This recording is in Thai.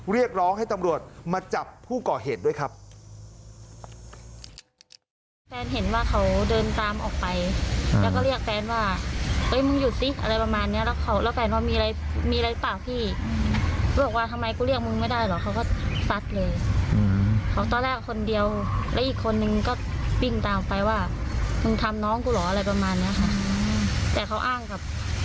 เรียกร้องให้ตำรวจมาจับผู้ก่อเหตุด้วยครับ